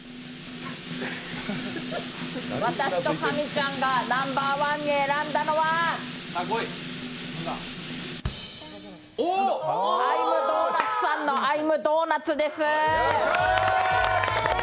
私と神ちゃんがナンバーワンに選んだのはＩ’ｍｄｏｎｕｔ？さんのアイムドーナツ？です。